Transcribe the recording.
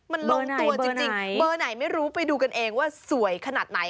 มันลงตัวจริงเบอร์ไหนไม่รู้ไปดูกันเองว่าสวยขนาดไหน